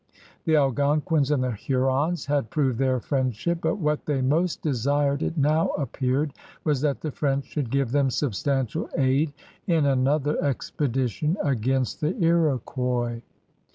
The Algonquins and the Hurons had proved their friendship, but what they most desired, it now appeared, was that the French should give them substantial aid in another expedition against the Iroquois.